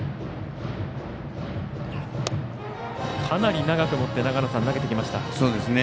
かなり長くもって投げてきました。